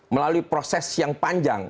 melalui proses yang panjang